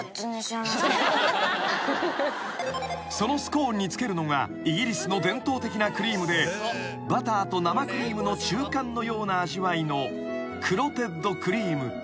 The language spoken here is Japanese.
［そのスコーンにつけるのがイギリスの伝統的なクリームでバターと生クリームの中間のような味わいのクロテッドクリームと］